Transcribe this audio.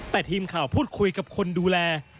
แต่ทีมข่าวพูดคุยกับคนดูแล